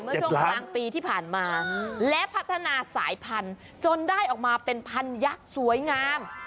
ช่วงกลางปีที่ผ่านมาและพัฒนาสายพันธุ์จนได้ออกมาเป็นพันยักษ์สวยงาม